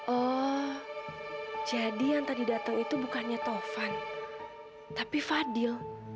oh jadi yang tadi datang itu bukannya tovan tapi fadil